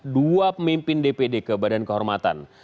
dua pemimpin dpd ke badan kehormatan